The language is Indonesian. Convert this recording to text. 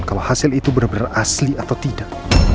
kalau hasil itu bener bener asli atau tidak